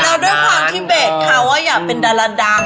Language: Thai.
แล้วด้วยความที่เบรกเขาว่าอยากเป็นดาราดัง